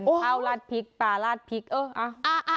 เป็นข้าวราดพริกปลาราดพริกเอออะ